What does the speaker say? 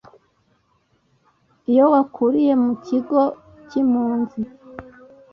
iyo wakuriye mu kigo cy'impunzi,